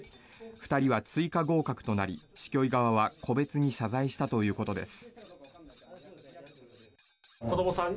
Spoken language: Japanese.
２人は追加合格となり市教委側は個別に謝罪したということです。